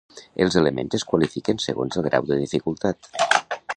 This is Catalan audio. Els elements es qualifiquen segons el grau de dificultat.